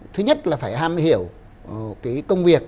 thứ nhất là phải ham hiểu cái công việc